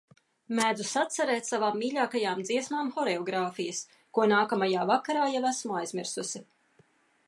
Mēdzu sacerēt savām mīļākajām dziesmām horeogrāfijas, ko nākamajā vakarā jau esmu aizmirsusi.